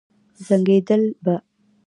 زنګېدل به.